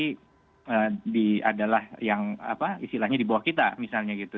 ini adalah yang apa istilahnya di bawah kita misalnya gitu